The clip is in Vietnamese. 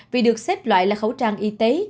vì được xếp loại là khẩu trang y tế